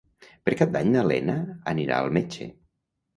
Per Cap d'Any na Lena anirà al metge.